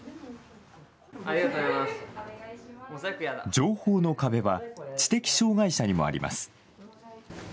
情報の壁は知的障害者にもあります。